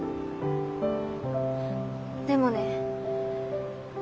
でもね